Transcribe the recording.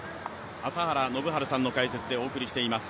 朝原宣治さんの解説でお送りしています。